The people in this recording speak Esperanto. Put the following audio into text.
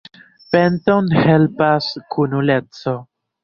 Penton helpas kunuleco.